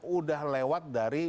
udah lewat dari